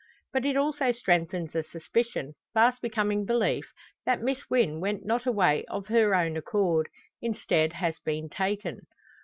But it also strengthens a suspicion, fast becoming belief, that Miss Wynn went not away of her own accord; instead, has been taken.